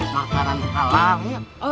makanan halal ya